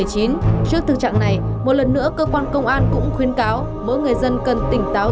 trước thực trạng này một lần nữa cơ quan công an cũng khuyên cáo mỗi người dân cần tỉnh táo